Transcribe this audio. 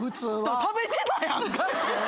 食べてたやんかって！